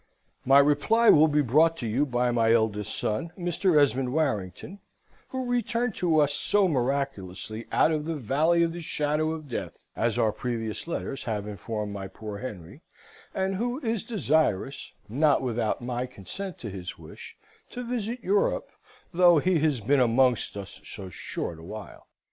My reply will be brought to you by my eldest son, Mr. Esmond Warrington, who returned to us so miraculously out of the Valley of the Shadow of Death (as our previous letters have informed my poor Henry), and who is desirous, not without my consent to his wish, to visit Europe, though he has been amongst us so short a while.